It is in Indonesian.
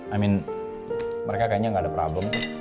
amin mereka kayaknya nggak ada problem